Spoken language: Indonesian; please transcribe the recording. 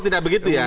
oh tidak begitu ya